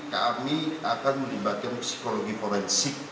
kami akan melibatkan psikologi forensik